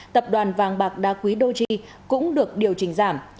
tập đoàn vàng bạc đa quý doji cũng được điều chỉnh giảm